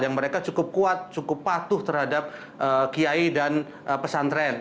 yang mereka cukup kuat cukup patuh terhadap kiai dan pesantren